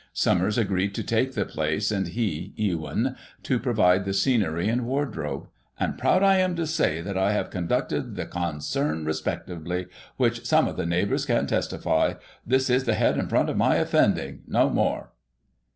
Simimers agreed to take the place, and he (Ewyn) to provide the scenery and wardrobe ;" and proud I am to say, that I have conducted the consarn respectably, which some of the neighbours can testify. This is the head and front of my offending — no more."